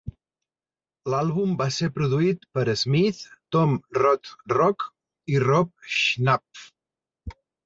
L'àlbum va ser produït per Smith, Tom Rothrock i Rob Schnapf.